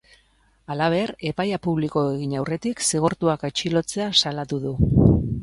Halaber, epaia publiko egin aurretik zigortuak atxilotzea salatu du.